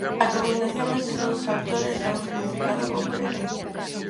A combinación deses dous factores dá un significado concreto.